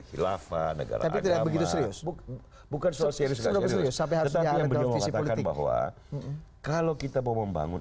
hilafah negara agama bukan sosialisasi tetapi yang berjualan bahwa kalau kita mau membangun